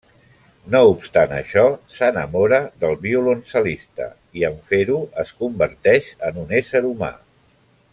No obstant això, s'enamora del violoncel·lista i en fer-ho es converteix en un ésser humà.